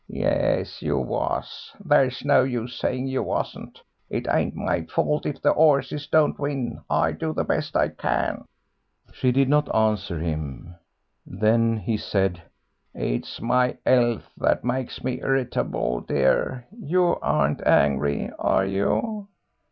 "Yes, you was, there's no use saying you wasn't. It ain't my fault if the 'orses don't win; I do the best I can." She did not answer him. Then he said, "It's my 'ealth that makes me irritable, dear; you aren't angry, are you?"